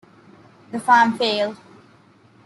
The farm failed.